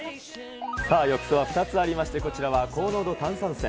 浴槽は２つありまして、こちらは高濃度炭酸泉。